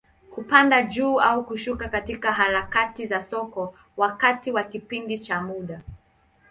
Kupanda juu au kushuka katika harakati za soko, wakati wa kipindi cha muda.